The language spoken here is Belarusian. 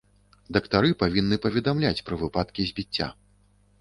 Дактары павінны паведамляць пра выпадкі збіцця.